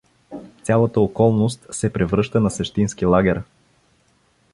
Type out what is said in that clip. Цялата околност се превръща на същински лагер.